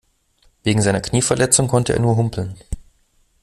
Wegen seiner Knieverletzung konnte er nur humpeln.